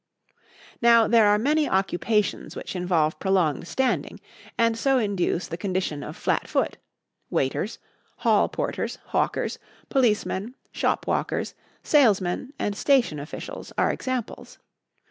Now there are many occupations which involve prolonged standing and so induce the condition of flat foot: waiters, hall porters, hawkers, policemen, shop walkers, salesmen, and station officials are examples.